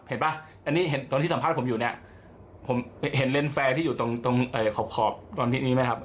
เห็นป่ะตอนที่สัมภาษณ์ผมอยู่เนี่ยผมเห็นเลนส์แฟร์ที่อยู่ตรงขอบตรงที่นี้ไหมครับ